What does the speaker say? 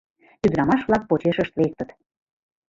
Ӱдырамаш-влак почешышт лектыт.